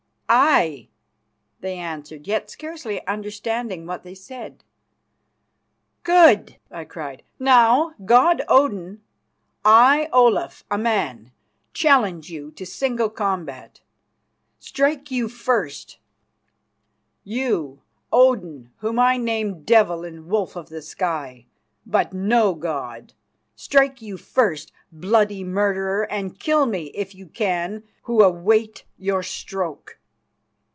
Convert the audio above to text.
"Aye," they answered, yet scarcely understanding what they said. "Good!" I cried. "Now, God Odin, I, Olaf, a man, challenge you to single combat. Strike you first, you, Odin, whom I name Devil and Wolf of the skies, but no god. Strike you first, bloody murderer, and kill me, if you can, who await your stroke!"